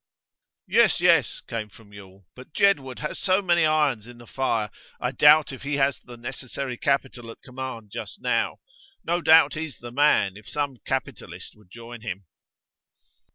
'Yes, yes,' came from Yule; 'but Jedwood has so many irons in the fire. I doubt if he has the necessary capital at command just now. No doubt he's the man, if some capitalist would join him.